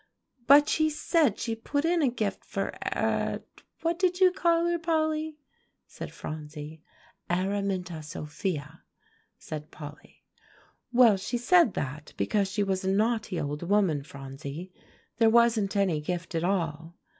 "But she said she put in a gift for Ara what did you call her, Polly?" said Phronsie. "Araminta Sophia," said Polly; "well, she said that because she was a naughty old woman, Phronsie. There wasn't any gift at all.